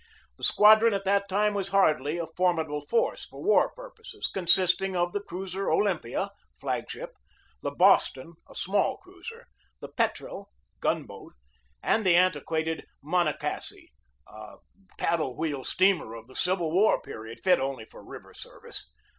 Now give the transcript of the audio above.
The squad ron at that time was hardly a formidable force for war purposes, consisting of the cruiser Olympia (flag ship), the Boston (a small cruiser), the Petrel (gun boat), and the antiquated Monocacy, a paddle wheel steamer of the Civil War period, fit only for river service.